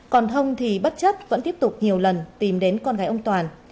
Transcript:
còn thông thì bất chất vẫn tiếp tục nhiều lần tìm đến con gái ông toàn